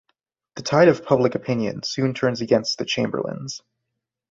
The tide of public opinion soon turns against the Chamberlains.